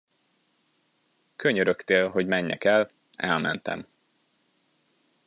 Könyörögtél, hogy menjek el, elmentem.